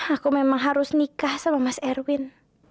aku memang harus nikah sama mas erwin